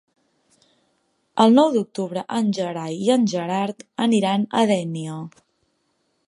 El nou d'octubre en Gerai i en Gerard aniran a Dénia.